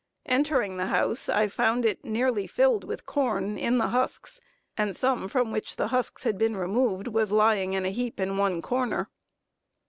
Entering the house I found it nearly filled with corn, in the husks, and some from which the husks had been removed, was lying in a heap in one corner.